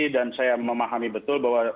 dan saya memahami betul bahwa